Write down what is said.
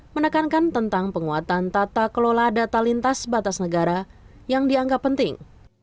menekankan tentang penguatan tata kelola data lintas batas negara yang dianggap penting